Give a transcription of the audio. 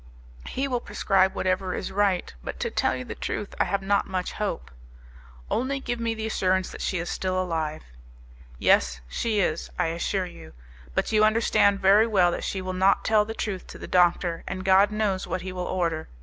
He will prescribe whatever is right, but to tell you the truth I have not much hope." "Only give me the assurance that she is still alive." "Yes, she is, I assure you; but you understand very well that she will not tell the truth to the doctor, and God knows what he will order.